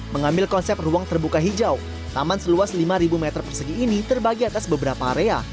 mengambil konsep ruang terbuka hijau taman seluas lima meter persegi ini terbagi atas beberapa area